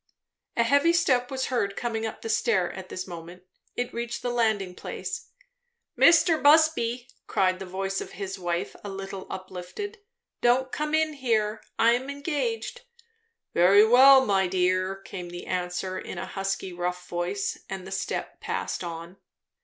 A heavy step was heard coming up the stair at this moment. It reached the landing place. "Mr. Busby " cried the voice of his wife, a little uplifted, "don't come in here I am engaged." "Very well, my dear," came answer in a husky, rough voice, and the step passed on.